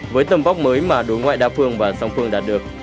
với tầm vóc mới mà đối ngoại đa phương và song phương đạt được